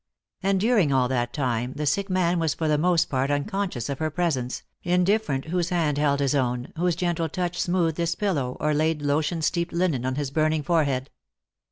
And during all that time the sick man was for the most part unconscious of her presence, indifferent whose hand held his own, whose gentle touch smoothed his pillow or laid lotion steeped linen on his burning forehead.